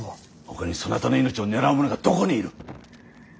ほかにそなたの命を狙う者がどこにいる。